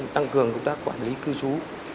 tăng cường công tác quản lý cư trú